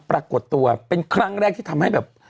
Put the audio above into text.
ปรากฏตัวเป็นครั้งแรกที่ทำให้แบบ